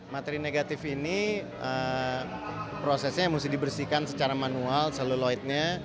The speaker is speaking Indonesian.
materi negatif ini prosesnya mesti dibersihkan secara manual celuloidnya